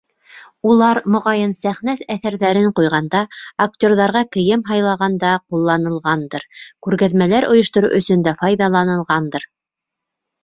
Улар, моғайын, сәхнә әҫәрҙәрен ҡуйғанда, актерҙарға кейем һайлағанда ҡулланылғандыр, күргәҙмәләр ойоштороу өсөн дә файҙаланылғандыр.